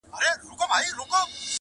خلګ ياران نه په لسټوني کي ماران ساتي,